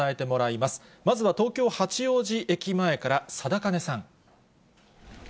まずは東京・八王子駅前から貞包さん。